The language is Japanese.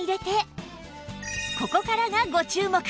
ここからがご注目！